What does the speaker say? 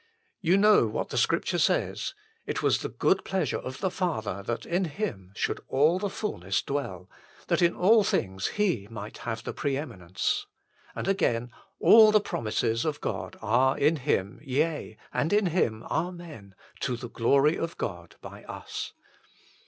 You know what the Scripture says :" It was the good pleasure of the Father that IN HIM should all the fulness dwell, that in all things HE might have the pre eminence "; l and again :" All the promises of God are IN HIM Yea and IN HIM Amen, to the glory of God by us."